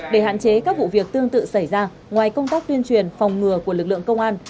để hạn chế các vụ việc tương tự xảy ra ngoài công tác tuyên truyền phòng ngừa của lực lượng công an